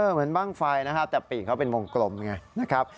เหมือนบ้างไฟนะครับแต่ปีกเขาเป็นวงกลมไงนะครับ